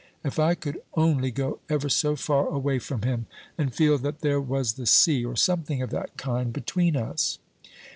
"If I could only go ever so far away from him, and feel that there was the sea, or something of that kind, between us!"